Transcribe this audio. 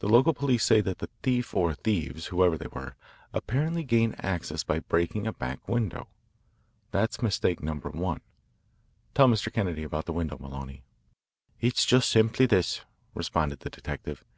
The local police say that the thief or thieves, whoever they were, apparently gained access by breaking a back window. That's mistake number one. Tell Mr. Kennedy about the window, Maloney." "It's just simply this," responded the detective.